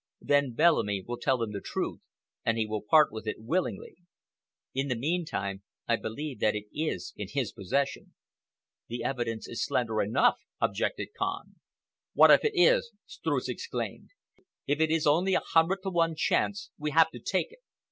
Then Bellamy will tell him the truth, and he will part with it willingly. In the meantime, I believe that it is in his possession. "The evidence is slender enough," objected Kahn. "What if it is!" Streuss exclaimed. "If it is only a hundred to one chance, we have to take it.